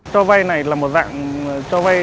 cho vay này là một dạng cho vay